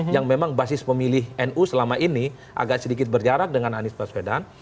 yang memang basis pemilih nu selama ini agak sedikit berjarak dengan anies baswedan